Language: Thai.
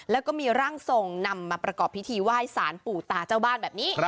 แล้วก็มีร่างทรงนำมาประกอบพิธีไหว้สารปู่ตาเจ้าบ้านแบบนี้